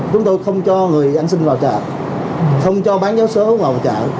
chúng tôi không cho người dân sinh vào chợ không cho bán giáo số vào chợ